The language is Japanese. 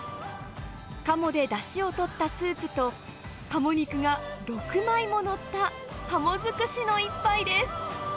カモでだしをとったスープと、カモ肉が６枚も載ったカモ尽くしの一杯です。